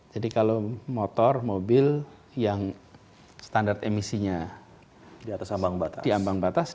jadi kalau motor mobil yang standar emisinya diambang batas